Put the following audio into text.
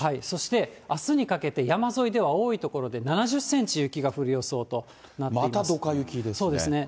そして、あすにかけて山沿いでは、多い所で７０センチ雪が降る予想となっています。